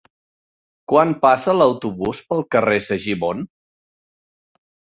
Quan passa l'autobús pel carrer Segimon?